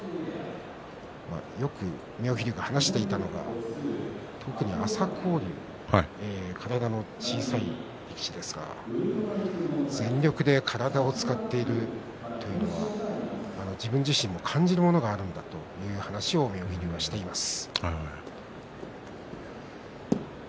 妙義龍は、特に朝紅龍体の小さい力士ですけど全力で体を使っているというのは自分自身も感じるものがあるんだという話を妙義龍はしていました。